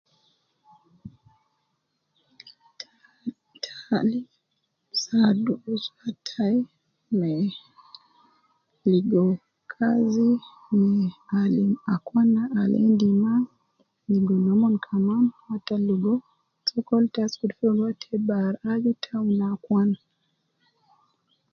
Taalim saadu usra tai me ligo kazi me alim akwana al endi ma ligo nomon Kaman ata ligo sokol ta asurub fogo kaman aju te awun akwana